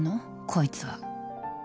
こいつは